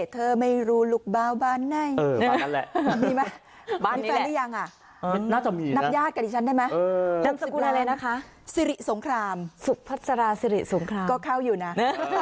เธอไม่รู้ลูกบาวบ้านไหนมีแฟนได้ยังนับญาติกับดิฉันได้ไหมนับสมคุณอะไรนะคะสิริสงครามก็เข้าอยู่นะ